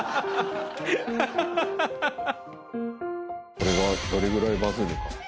これがどれぐらいバズるか。